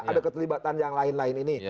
ada keterlibatan yang lain lain ini